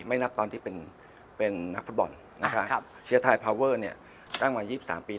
ไม่นับตอนที่เป็นเป็นนักฟุตบอลนะคะครับเนี้ยตั้งมายี่สิบสามปี